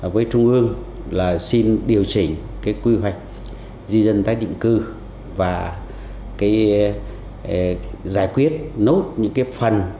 với trung ương là xin điều chỉnh quy hoạch di dân tác định cư và giải quyết nốt những phần